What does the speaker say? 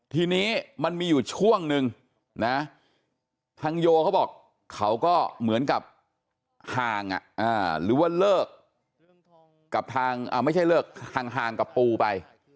ทีนี้มันมีอยู่ช่วงนึงนะทางโยเขาบอกเขาก็เหมือนกับห่างหรือว่าเลิกกับทางไม่ใช่เลิกห่างกับปูไป